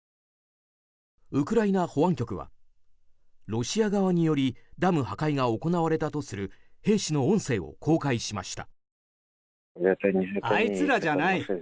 ウクライナ保安局はロシア側によりダム破壊が行われたとする兵士の音声を公開しました。